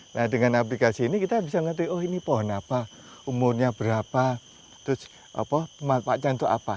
nah dengan aplikasi ini kita bisa ngerti oh ini pohon apa umurnya berapa terus manfaatnya untuk apa